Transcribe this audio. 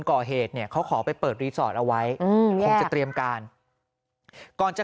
ก่อเหตุเนี่ยเขาขอไปเปิดรีสอร์ทเอาไว้คงจะเตรียมการก่อนจะ